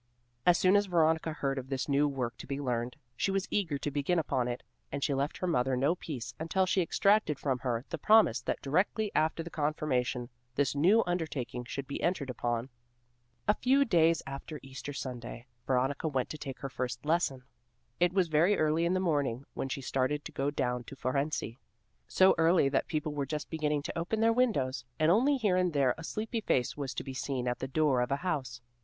As soon as Veronica heard of this new work to be learned, she was eager to begin upon it, and she left her mother no peace until she extracted from her the promise that directly after the confirmation, this new undertaking should be entered upon. A few days after Easter Sunday, Veronica went to take her first lesson. It was very early in the morning when she started to go down to Fohrensee; so early that people were just beginning to open their windows, and only here and there a sleepy face was to be seen at the door of a house.